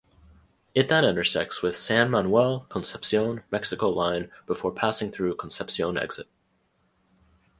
It then intersects with San Manuel–Concepcion–Mexico line before passing through Concepcion Exit.